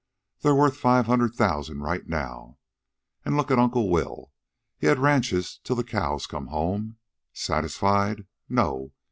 They're worth five hundred thousand right now. An' look at Uncle Will. He had ranches till the cows come home. Satisfied? No.